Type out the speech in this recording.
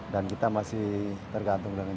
dan kita masih tergantung dari lrt